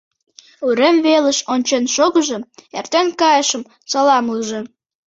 — Урем велыш ончен шогыжо, эртен кайышым саламлыже.